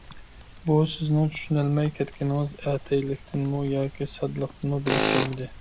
بۇنى سىزنىڭ چۈشىنەلمەي كەتكىنىڭىز ئەتەيلىكتىنمۇ ياكى ساددىلىقتىنمۇ بىلىپ بولمىدى.